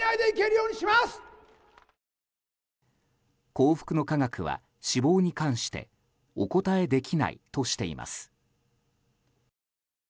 幸福の科学は死亡に関してお答えできないとしています。